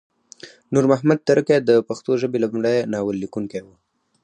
نور محمد ترکی د پښتو ژبې لمړی ناول لیکونکی وه